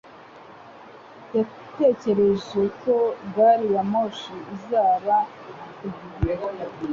Yatekereje ko gari ya moshi izaba ku gihe.